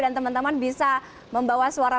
teman teman bisa membawa suara